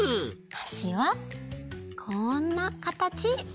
はしはこんなかたち！